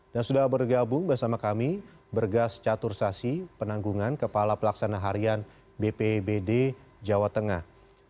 dan sudah bergabung bersama kami bergas catursasi penanggungan kepala pelaksana harian bpbd jawa tengah